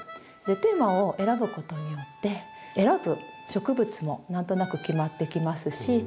テーマを選ぶことによって選ぶ植物も何となく決まってきますし